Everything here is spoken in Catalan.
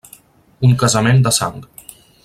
Un casament de sang.